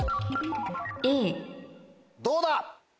Ａどうだ？